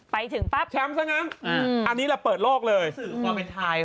ไปถึงปั๊บอันนี้แชมป์สักงั้นอันนี้เปิดโลกเลย